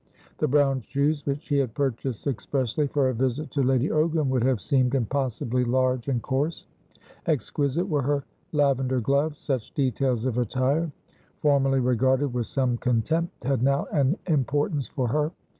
The brown shoes which she had purchased expressly for her visit to Lady Ogram would have seemed impossibly large and coarse. Exquisite were her lavender gloves. Such details of attire, formerly regarded with some contempt, had now an importance for her.